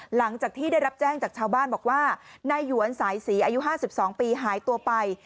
หลังจากที่ได้รับแจ้งจากชาวบ้านบอกว่านายหยวนสายศรีอายุ๕๒ปีหายตัวไป